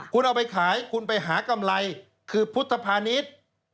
คุณเอาไปขายคุณไปหากำไรคือพุทธภานิษฐ์